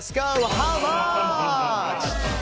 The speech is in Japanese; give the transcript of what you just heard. ハウマッチ。